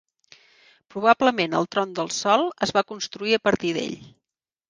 Probablement el Tron del Sol es va construir a partir d'ell.